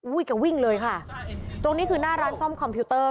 แกวิ่งเลยค่ะตรงนี้คือหน้าร้านซ่อมคอมพิวเตอร์